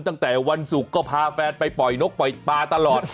ตั้งแต่วันศุกร์ก็พาแฟนไปปล่อยนกปล่อยปลาตลอด